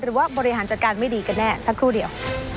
บริหารจัดการไม่ดีกันแน่สักครู่เดียว